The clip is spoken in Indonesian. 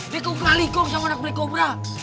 dia kekuali kong sama anak black cobra